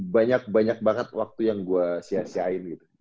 banyak banyak banget waktu yang gue sia siain gitu